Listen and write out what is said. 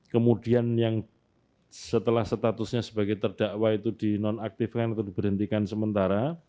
kemudian yang setelah statusnya sebagai terdakwa itu di nonaktifkan atau di berhentikan sementara